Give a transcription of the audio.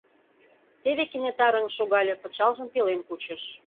Теве кенета рыҥ шогале, пычалжым пелен кучыш.